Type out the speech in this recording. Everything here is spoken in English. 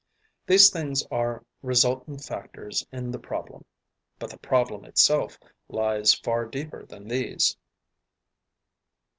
These things are resultant factors in the problem, but the problem itself lies far deeper than these.